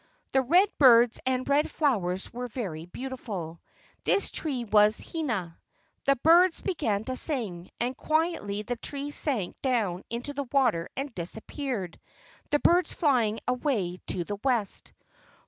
The red birds and red flowers were very beautiful. This tree was Hina. The birds began to sing, and quietly the tree sank down into the water and disappeared, the birds flying away to the west.